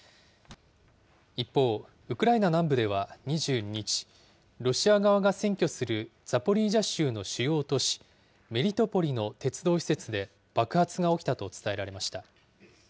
一方、ウクライナ南部では２２日、ロシア側が占拠するザポリージャ州の主要都市メリトポリの鉄道施設で爆発が起きたと伝えられました。